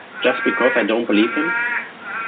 Just because I don't believe in him?